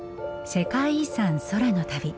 世界遺産空の旅。